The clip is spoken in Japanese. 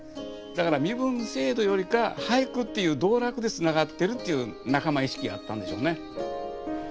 だから身分制度よりか俳句っていう道楽でつながってるっていう仲間意識があったんでしょうね。